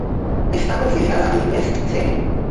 Está considerada un "best seller".